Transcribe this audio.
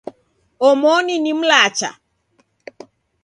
Omoni ni mlacha.